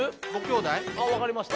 わかりました。